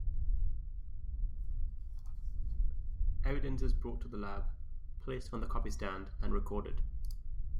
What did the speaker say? Evidence is brought to the lab, placed on the copy stand and recorded.